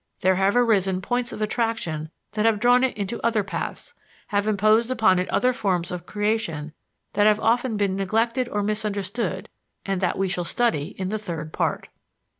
There have arisen points of attraction that have drawn it into other paths, have imposed upon it other forms of creation that have often been neglected or misunderstood and that we shall study in the Third Part.